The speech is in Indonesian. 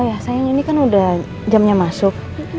oh iya sayang ini kan udah jamnya masuk